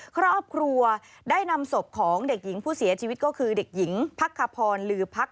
ครอบครัวได้นำศพของเด็กหญิงผู้เสียชีวิตก็คือเด็กหญิงพักขพรลือพัก